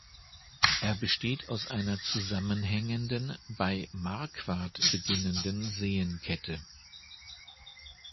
Er besteht aus einer zusammenhängenden, bei Marquardt beginnenden Seenkette.